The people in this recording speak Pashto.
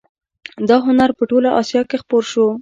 دا هنر په ټوله اسیا کې خپور شو